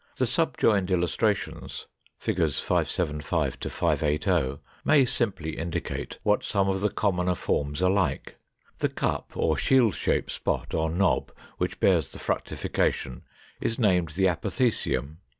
The subjoined illustrations (Fig. 575 580) may simply indicate what some of the commoner forms are like. The cup, or shield shaped spot, or knob, which bears the fructification is named the Apothecium.